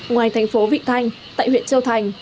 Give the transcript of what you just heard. ngoài thành phố vịnh thanh tại huyện châu thành